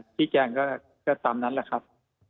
ชี้แจงก็ตามนั้นแหละครับ